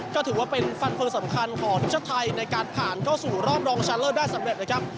ก็ถือว่าเป็นฟันเฟิงสำคัญของนักวิเคราะห์ชาติไทยในการผ่านเข้าสู่รอบรองชันเลอร์ได้สำเร็จนะครับ